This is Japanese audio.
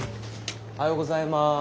おはようございます。